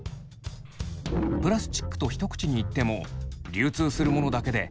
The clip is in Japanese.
プラスチックと一口に言っても流通するものだけで２０種類以上。